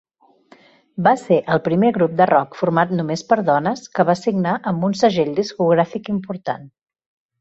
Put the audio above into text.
Va ser el primer grup de rock format només per dones que va signar amb un segell discogràfic important.